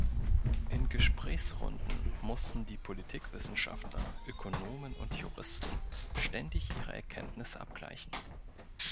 In Gesprächsrunden mußten die Politikwissenschaftler, Ökonomen und Juristen ständig ihre Erkenntnisse abgleichen.